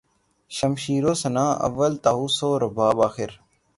شمشیر و سناں اول طاؤس و رباب آخر